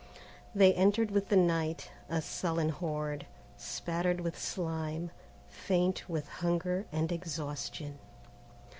They entered with the night, a sullen horde, spattered with slime, faint with hunger and exhaustion.